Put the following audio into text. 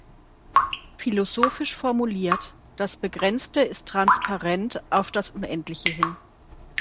Philosophisch formuliert: "Das Begrenzte ist transparent auf das Unendliche hin.